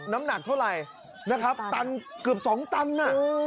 น้ำหนักเท่าไหร่นะครับตันเกือบสองตันน่ะ